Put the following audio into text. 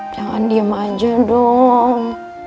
jangan diem aja dong